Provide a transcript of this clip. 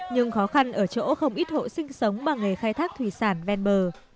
nhưng khó khăn ở chỗ không ít hộ sinh sống bằng nghề khai thác thủy sản ven bờ